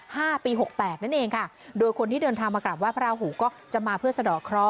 ห้าปีหกแปดนั่นเองค่ะโดยคนที่เดินทางมากราบไห้พระราหูก็จะมาเพื่อสะดอกเคราะห